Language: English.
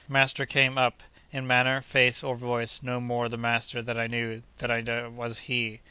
Master came up—in manner, face, or voice, no more the master that I knew, than I was he.